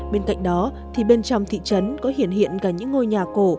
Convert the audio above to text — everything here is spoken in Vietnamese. bên cạnh đó thì bên trong thị trấn có hiện hiện cả những ngôi nhà cổ